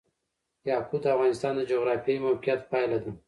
یاقوت د افغانستان د جغرافیایي موقیعت پایله ده.